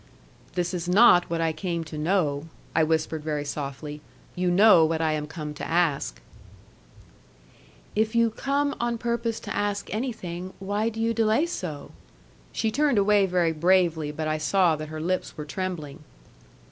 'This is not what I came to know,' I whispered very softly, 'you know what I am come to ask.' 'If you are come on purpose to ask anything, why do you delay so?' She turned away very bravely, but I saw that her lips were trembling.